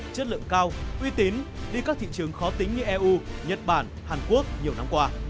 chất lượng cao uy tín đi các thị trường khó tính như eu nhật bản hàn quốc nhiều năm qua